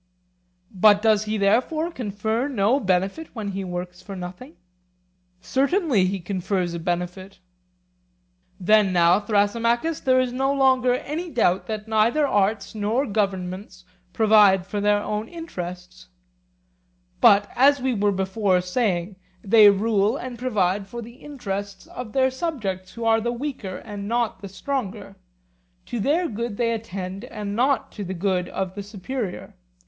But does he therefore confer no benefit when he works for nothing? Certainly, he confers a benefit. Then now, Thrasymachus, there is no longer any doubt that neither arts nor governments provide for their own interests; but, as we were before saying, they rule and provide for the interests of their subjects who are the weaker and not the stronger—to their good they attend and not to the good of the superior.